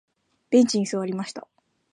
ベンチに座りました。